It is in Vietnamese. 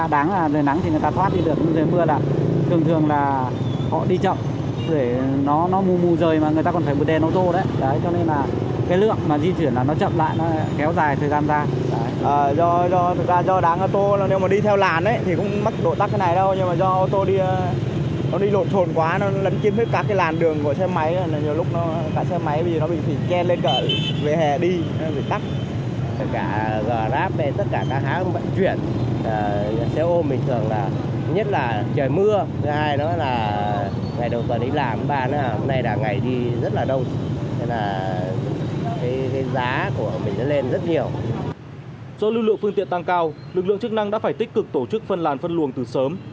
do lưu lượng phương tiện tăng cao lực lượng chức năng đã phải tích cực tổ chức phân làn phân luồng từ sớm